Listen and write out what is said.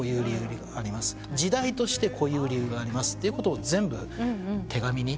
時代としてこういう理由がありますって全部手紙に。